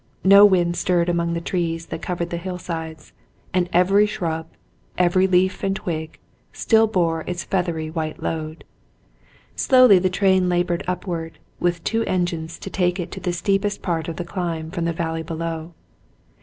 No wind stirred among the trees that covered the hillsides, and every shrub, every leaf and twig, still bore its feathery, white load. Slowly the train labored upward, with two engines to take it the steepest part of the climb from the valley below.